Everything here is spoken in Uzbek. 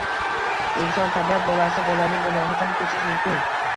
Inson – tabiat bolasi, bolaning gunohidan kechish mumkin.